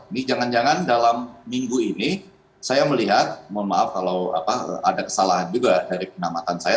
ini jangan jangan dalam minggu ini saya melihat mohon maaf kalau ada kesalahan juga dari pengamatan saya